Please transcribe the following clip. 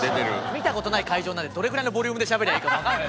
見た事ない会場なんでどれぐらいのボリュームでしゃべりゃいいか。